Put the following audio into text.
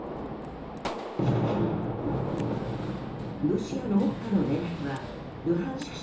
ロシアの目下の狙いはルハンシク